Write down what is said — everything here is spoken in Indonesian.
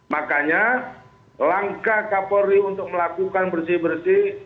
makanya langkah kapolri untuk melakukan bersih bersih